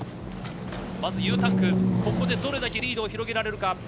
Ｕタンクでどれだけリードを広げられるか。